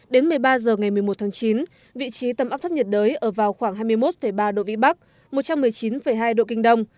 đến một mươi ba h ngày một mươi một tháng chín vị trí tâm áp thấp nhiệt đới ở vào khoảng hai mươi một ba độ vĩ bắc một trăm một mươi chín hai độ kinh đông